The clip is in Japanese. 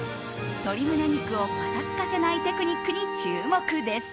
鶏胸肉をパサつかせないテクニックに注目です。